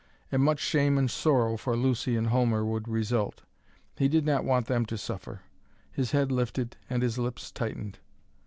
And much shame and sorrow for Lucy and Homer would result. He did not want them to suffer. His head lifted and his lips tightened.